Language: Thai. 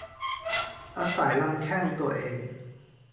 อาศัยลำแข้งตัวเอง